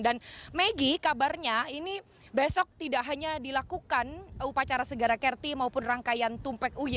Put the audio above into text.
dan maggie kabarnya ini besok tidak hanya dilakukan upacara segara kerti maupun rangkaian tumpek uy